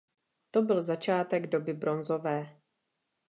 To byl začátek doby bronzové.